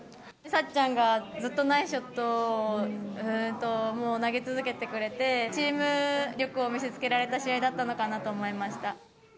さっちゃんが、ずっとナイスショットを投げ続けてくれて、チーム力を見せつけられた試合だったのかなと思いました。